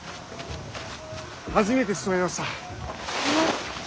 初めてしとめました。